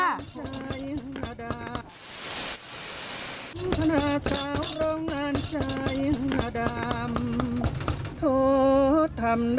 ทิ้งคนซื้อนอนช้ำคอยเช้าคอยคำคอยจดหมายหมายมา